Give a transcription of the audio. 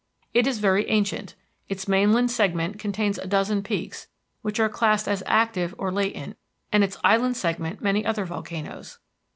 It is very ancient. Its mainland segment contains a dozen peaks, which are classed as active or latent, and its island segment many other volcanoes.